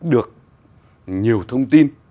được nhiều thông tin